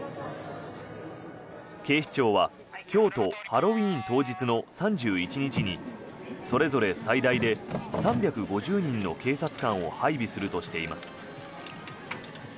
警視庁は今日とハロウィーン当日の３１日にそれぞれ最大で３５０人の警察官を配備するとしています。